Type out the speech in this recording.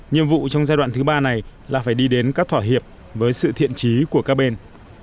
nhiệm vụ trong giai đoạn thứ ba này là phải đi đến các thỏa hiệp với sự thiện trí của các bên